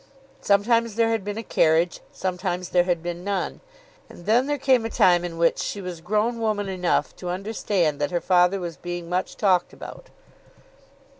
Sometimes there had been a carriage, sometimes there had been none. And then there came a time in which she was grown woman enough to understand that her father was being much talked about.